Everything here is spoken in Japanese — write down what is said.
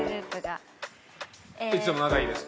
ええいつも仲いいです